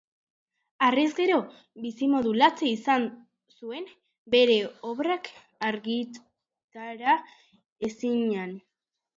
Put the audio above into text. Harrezkero, bizimodu latza izan zuen, bere obrak argitara ezinean.